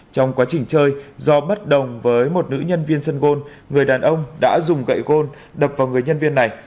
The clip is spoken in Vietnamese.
trong quá trình chơi do bất đồng với một nữ nhân viên sân gôn người đàn ông đã dùng gậy gôn đập vào người nhân viên này